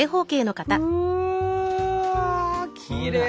うわきれい！